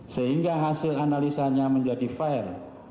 sehingga hasil analisanya menjadi fair